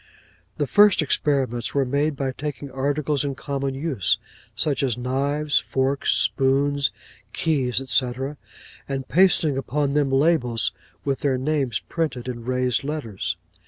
'The first experiments were made by taking articles in common use, such as knives, forks, spoons, keys, &c., and pasting upon them labels with their names printed in raised letters.